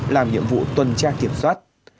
làm nhiệm vụ tuần tra kiểm soát